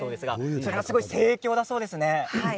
それが盛況だそうですね。